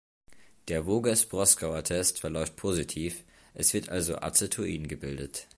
Der Voges-Proskauer-Test verläuft positiv, es wird also Acetoin gebildet.